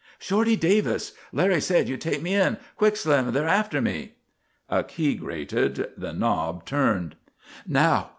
"Shorty Davis. Larry said you'd take me in. Quick, Slim, they're after me!" A key grated, the knob turned. "Now!"